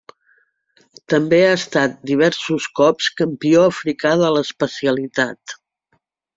També ha estat diversos cops campió africà de l'especialitat.